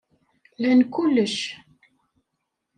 Lan kullec.